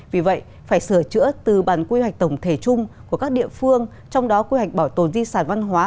vì vậy phải sửa chữa từ bàn quy hoạch tổng thể chung của các địa phương trong đó quy hoạch bảo tồn di sản văn hóa